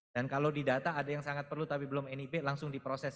dan kalau di data ada yang sangat perlu tapi belum nip langsung diproses